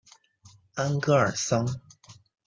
安戈尔桑。